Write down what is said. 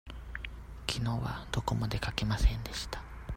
きのうはどこも出かけませんでした。